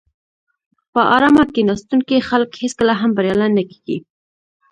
په آرامه کیناستونکي خلک هېڅکله هم بریالي نه کېږي.